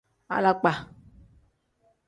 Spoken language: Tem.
Alakpa.